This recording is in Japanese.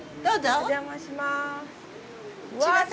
お邪魔します。